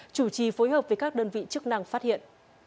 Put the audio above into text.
chủ trì phối hợp với các đơn vị chức năng phát hiện